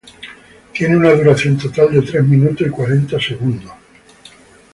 Tiene una duración total de tres minutos y cuarenta segundos.